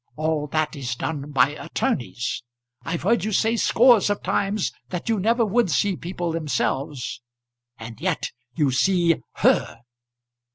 All that is done by attorneys. I've heard you say scores of times that you never would see people themselves, and yet you see her.